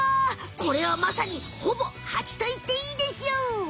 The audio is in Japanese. これはまさにほぼハチといっていいでしょう！